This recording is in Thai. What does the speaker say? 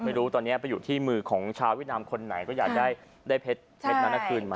ไม่รู้ตอนนี้ไปอยู่ที่มือของชาวเวียดนามคนไหนก็อยากได้เพชรนั้นคืนมา